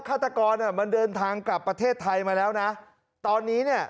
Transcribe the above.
ฆาตกรมันเดินทางกลับประเทศไทยมาแล้วนะตอนนี้เนี่ย